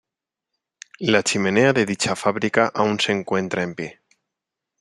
La chimenea de dicha fábrica aún se encuentra en pie.